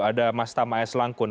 ada mas tamaes langkung